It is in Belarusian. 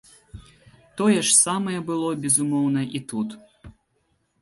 Тое ж самае было, безумоўна, і тут.